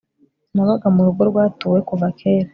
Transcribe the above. nabaga mu rugo rwatuwe kuva kera